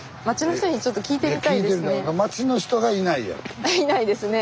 いないですねえ。